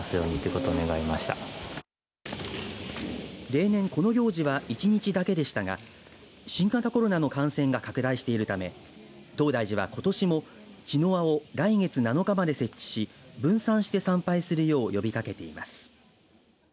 例年、この行事は１日だけでしたが新型コロナの感染が拡大しているため東大寺は、ことしも茅の輪を来月７日まで設置し分散して参拝するよう呼びかけています。